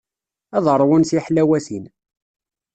Ad ṛwun tiḥlawatin.